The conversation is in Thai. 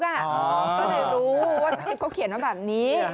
ก็ได้รู้ว่าเขาเขียนแบบนี้